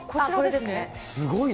すごいね。